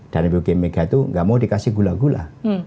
dan ibu megan itu nggak mau dikasih gula gula